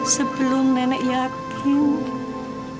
sebelum nenek yakin